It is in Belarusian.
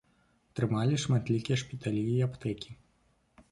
Трымалі шматлікія шпіталі і аптэкі.